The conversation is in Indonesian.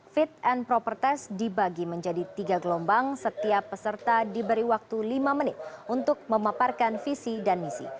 fit and proper test dibagi menjadi tiga gelombang setiap peserta diberi waktu lima menit untuk memaparkan visi dan misi